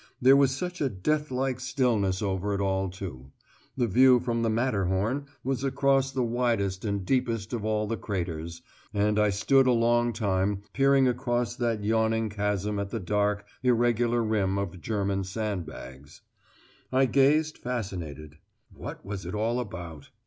There was such a death like stillness over it all, too. The view from the Matterhorn was across the widest and deepest of all the craters, and I stood a long time peering across that yawning chasm at the dark, irregular rim of German sand bags. I gazed fascinated. What was it all about?